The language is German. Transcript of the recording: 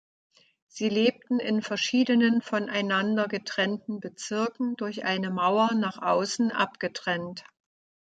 Sie lebten in verschiedenen voneinander getrennten Bezirken, durch eine Mauer nach außen abgetrennt.